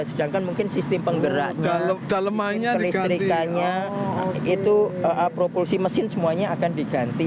sedangkan mungkin sistem pengeraknya sistem listrikanya itu propulsi mesin semuanya akan diganti